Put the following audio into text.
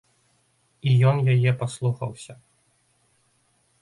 І ён яе паслухаўся.